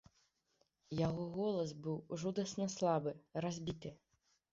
Яго голас быў жудасна слабы, разбіты.